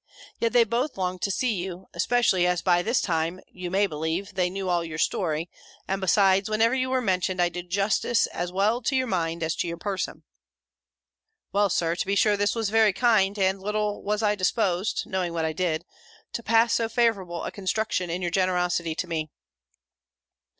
Yet they both longed to see you: especially as by this time, you may believe, they knew all your story: and besides, whenever you were mentioned, I did justice, as well to your mind, as to your person." "Well, Sir, to be sure this was very kind; and little was I disposed (knowing what I did,) to pass so favourable a construction in your generosity to me."